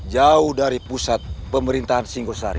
jauh dari pusat pemerintahan singosari